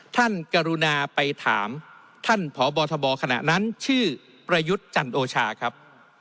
กรุณาไปถามท่านพบทบขณะนั้นชื่อประยุทธ์จันโอชาครับ